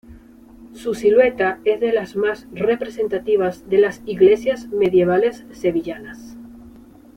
Su silueta es de las más representativas de las iglesias medievales sevillanas.